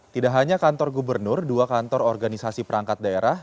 tidak hanya kantor gubernur dua kantor organisasi perangkat daerah